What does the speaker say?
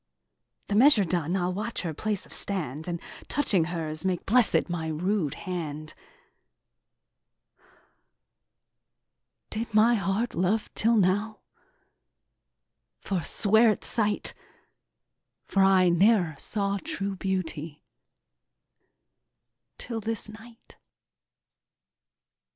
The measure done, I'll watch her place of stand, And touching hers, make blessed my rude hand. Did my heart love till now? forswear it, sight! For I ne'er saw true beauty till this night!"